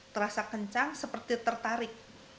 terasa kencang seperti tertarik